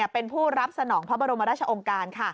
เป็นผู้รับสนองพระบรมราชองค์การ